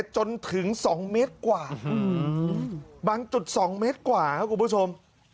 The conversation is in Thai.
จนถึง๒เมตรกว่าบางจุด๒เมตรกว่าครับคุณผู้ชม